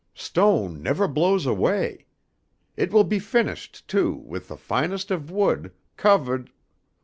Stone never blows away. It will be finished, too, with the finest of wood, covahd...."